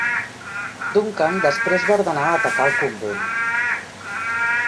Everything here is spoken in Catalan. Duncan després va ordenar atacar el convent.